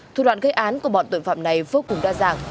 thủ đoạn gây án của bọn tội phạm này vô cùng đa dạng